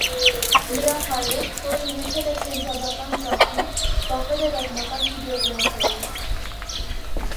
Նրա հայրը, որն ունեցել է փենջաբական ծագում, զբաղվել է ռազմական հիդրոգրաֆիայով։